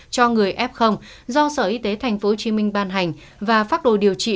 cho người f do sở y tế tp hcm ban hành và phát đồ điều trị